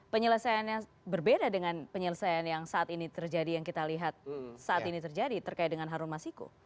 penyelesaiannya berbeda dengan penyelesaian yang saat ini terjadi yang kita lihat saat ini terjadi terkait dengan harun masiku